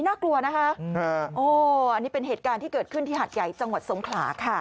น่ากลัวนะคะโอ้อันนี้เป็นเหตุการณ์ที่เกิดขึ้นที่หัดใหญ่จังหวัดสงขลาค่ะ